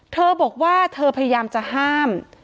เธอบอกว่าเธอพยายามจะห้าม